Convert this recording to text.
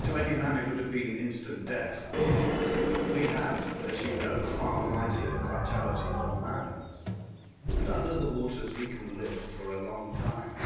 To anv man it would have been instant v death, but we have, as you know, far mightier vitality than man's, and under the waters we can live for a long time.